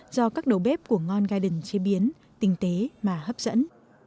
do các đầu bếp của ngon gai đình chế biến tinh tế mà hấp dẫn